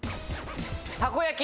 たこ焼き。